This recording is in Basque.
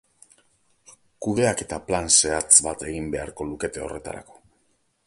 Kudeaketa plan zehatz bat egin beharko lukete horretarako.